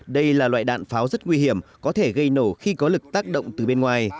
đây là loại đạn pháo rất nguy hiểm có thể gây nổ khi có lực tác động từ bên ngoài